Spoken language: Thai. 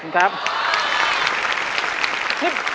ขอบคุณครับ